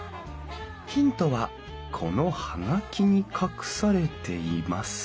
ヒントはこの葉書に隠されています。